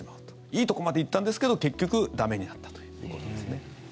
いいところまで行ったんですけど結局、駄目になったということですね。